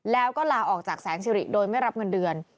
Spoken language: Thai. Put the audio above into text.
แล้วก็ลาออกจากแสงสิริโดยไม่รับเงินเดือน